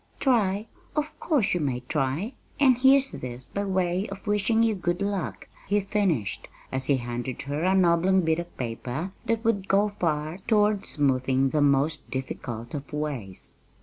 "Try? Of course you may try! And here's this by way of wishing you good luck," he finished, as he handed her an oblong bit of paper that would go far toward smoothing the most difficult of ways.